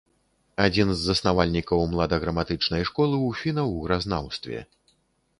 Адзін з заснавальнікаў младаграматычнай школы ў фіна-угразнаўстве.